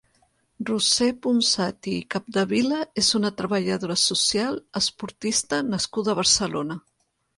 Roser Ponsati i Capdevila és una treballadora social, esportista nascuda a Barcelona.